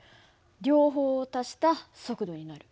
両方を足した速度になる。